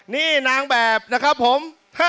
นี่นางแบบนะครับผม